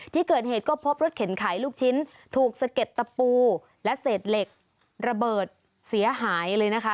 ที่เกิดเหตุก็พบรถเข็นขายลูกชิ้นถูกสะเก็ดตะปูและเศษเหล็กระเบิดเสียหายเลยนะคะ